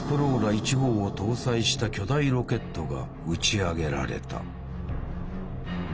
１号を搭載した巨大ロケットが打ち上げられた。